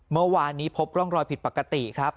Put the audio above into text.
เมื่อวานนี้พบร่องรอยผิดปกติครับ